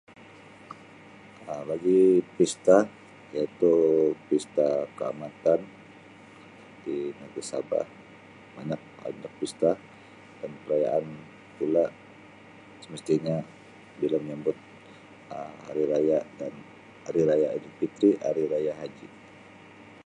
Um Bagi pesta iaitu Pesta Kaamatan di negeri Sabah banyak itu pesta dan perayaan pula semestinya bila menyambut Um hari raya dan Hari Raya Aidilfitri dan Hari Raya Haji.